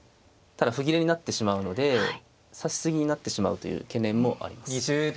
ただ歩切れになってしまうので指し過ぎになってしまうという懸念もあります。